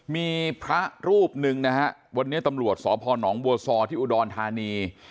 มีพระรูปหนึ่งนะฮะวันนี้ตำรวจสพนบัวซอที่อุดรธานี